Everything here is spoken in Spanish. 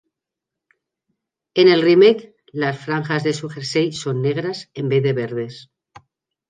En el remake, las franjas de su Jersey son negras en vez de verdes.